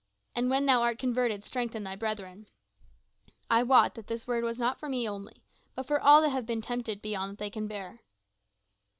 And when thou art converted strengthen thy brethren.' I wot that this word was not for me only, but for all them that have been tempted beyond that they can bear."